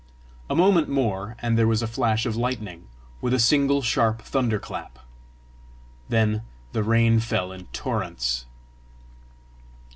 A moment more and there was a flash of lightning, with a single sharp thunder clap. Then the rain fell in torrents.